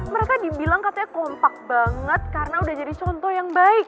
mereka dibilang katanya kompak banget karena udah jadi contoh yang baik